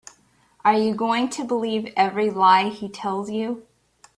Are you going to believe every lie he tells you?